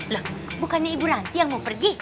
loh bukannya ibu nanti yang mau pergi